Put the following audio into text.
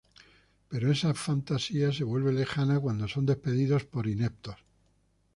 Pero esa fantasía se vuelve lejana cuando son despedidos por ineptos.